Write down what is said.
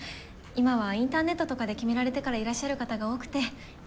今はインターネットとかで決められてからいらっしゃる方が多くて。